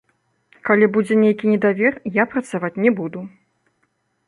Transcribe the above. Калі будзе нейкі недавер, я працаваць не буду.